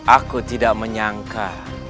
aku tidak menyangka